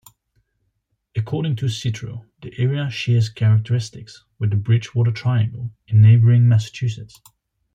According to Citro, the area shares characteristics with the Bridgewater Triangle in neighboring Massachusetts.